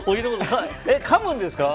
かむんですか？